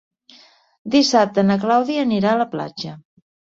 Dissabte na Clàudia anirà a la platja.